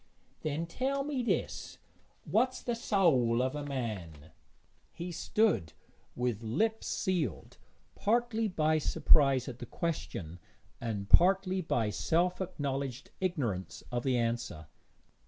'Then tell me this What's the soäl o' a man?' He stood with lips sealed, partly by surprise at the question, and partly by self acknowledged ignorance of the answer.